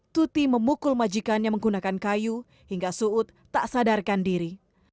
tuti memukul majikannya menggunakan kayu hingga suud tak sadarkan diri